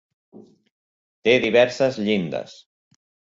Té diverses llindes.